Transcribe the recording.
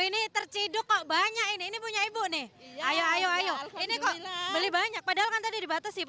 ini terciduk kok banyak ini ini punya ibu nih ayo ayo ini kok beli banyak padahal kan tadi dibatasi